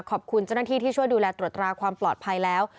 ขอบคุณเจ้าหน้าที่ที่ช่วยดูแลตรวจตราความปลอดภัยแล้ว